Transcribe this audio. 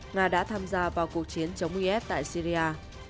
nga đã tham gia vào cuộc chiến chống is tại syria